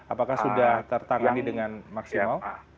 apakah sudah tertangani dengan maksimal